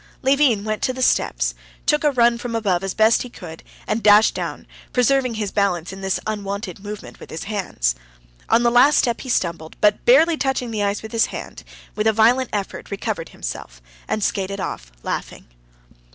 Levin went to the steps, took a run from above as best he could, and dashed down, preserving his balance in this unwonted movement with his hands. On the last step he stumbled, but barely touching the ice with his hand, with a violent effort recovered himself, and skated off, laughing.